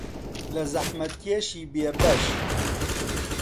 لە زەحمەتکێشی بێبەش